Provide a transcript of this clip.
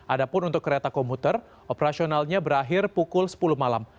ada pun untuk kereta komuter operasionalnya berakhir pukul sepuluh malam